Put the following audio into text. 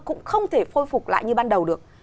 cũng không thể phôi phục lại như ban đầu được